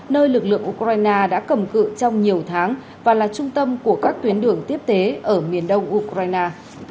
nơi lực lượng ukraine đã cầm cự trong nhiều tháng và là trung tâm của các tuyến đường tiếp tế ở miền đông ukraine